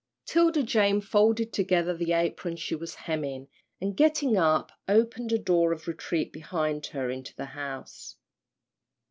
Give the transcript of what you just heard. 'Tilda Jane folded together the apron she was hemming, and getting up, opened a door of retreat behind her into the house.